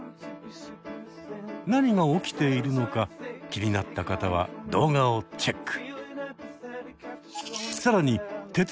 何が起きているのか気になった方は動画をチェック。